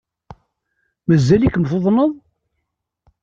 Mazal-ikem tuḍneḍ?